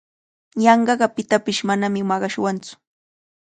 Yanqaqa pitapish manami maqashwantsu.